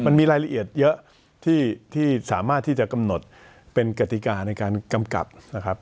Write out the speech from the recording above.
มันมีรายละเอียดเยอะที่สามารถที่จะกำหนดเป็นกติกาในการกำกับนะครับ